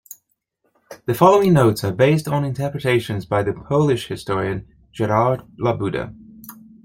The following notes are based on interpretations by the Polish historian Gerard Labuda.